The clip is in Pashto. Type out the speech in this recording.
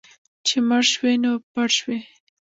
چې مړ شوې، نو پړ شوې.